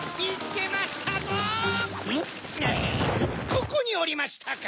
ここにおりましたか。